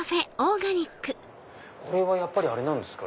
これはやっぱりあれですか？